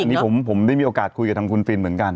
อันนี้ผมได้มีโอกาสคุยกับทางคุณฟินเหมือนกัน